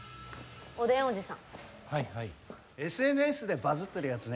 はいはい、ＳＮＳでバズってるやつね。